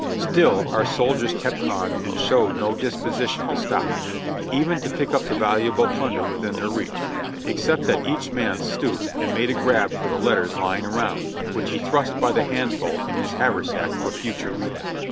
Still our soldiers kept on and showed no disposition to stop, even to pick up the valuable plunder within their reach, except that each man stooped and made a grab for the letters lying around, which he thrust by the handful in his haversack for future reading.